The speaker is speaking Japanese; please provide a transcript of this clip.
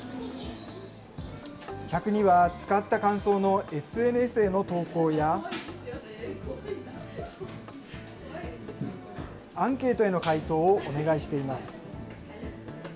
客には使った感想のＳＮＳへの投稿や、アンケートへの回答をお願いしています。